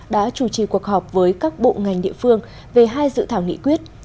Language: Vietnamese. đã chủ trì cuộc họp với các bộ ngành địa phương về hai dự thảo nghị quyết